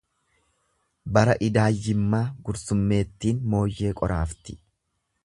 Bara idaayyimmaa gursummeettiin mooyyee qoraafti.